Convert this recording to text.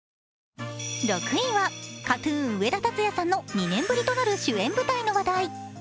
６位は、ＫＡＴ−ＴＵＮ、上田竜也さんの２年ぶりとなる主演舞台の話題。